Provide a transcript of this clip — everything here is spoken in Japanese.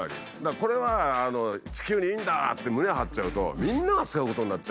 これは地球にいいんだって胸張っちゃうとみんなが背負うことになっちゃうんで。